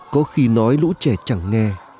có khi nói lũ trẻ chẳng nghe